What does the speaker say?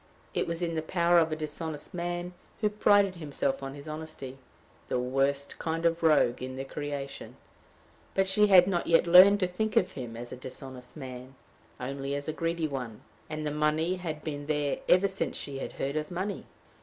It was in the power of a dishonest man who prided himself on his honesty the worst kind of rogue in the creation; but she had not yet learned to think of him as a dishonest man only as a greedy one and the money had been there ever since she had heard of money.